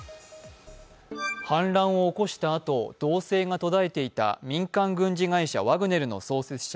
氾濫を起こしたあと、動静が途絶えていた民間軍事会社・ワグネルの創設者